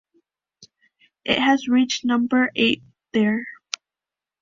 It has reached number eight there.